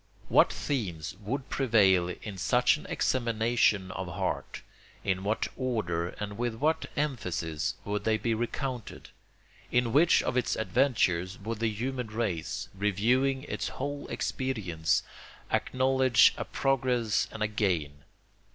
What themes would prevail in such an examination of heart? In what order and with what emphasis would they be recounted? In which of its adventures would the human race, reviewing its whole experience, acknowledge a progress and a gain?